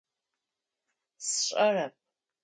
Сшӏэрэп.